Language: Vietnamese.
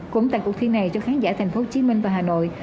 cũng tại cuộc thi này cho khán giả thành phố hồ chí minh và hà nội